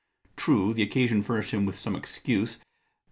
True, the occasion furnished him with some excuse.